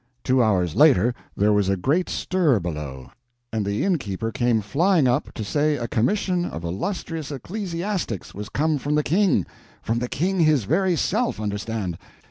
Two hours later there was a great stir below, and the innkeeper came flying up to say a commission of illustrious ecclesiastics was come from the King—from the King his very self, understand!